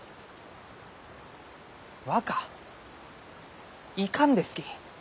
若いかんですき。